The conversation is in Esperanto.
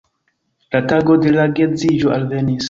La tago de la geedziĝo alvenis.